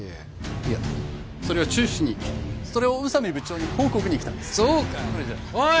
いやそれは中止にそれを宇佐美部長に報告に来たんですそうかおい